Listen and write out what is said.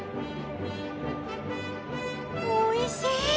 おいしい！